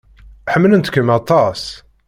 Ḥemmlent-kem aṭas.